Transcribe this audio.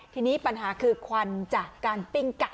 ทีนี้ปัญหาคือควันจากการปิ้งกัด